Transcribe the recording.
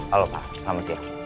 halo pak selamat siang